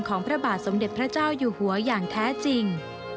พระบาทสมเด็จพระเจ้าอยู่หัวอย่างแท้จริง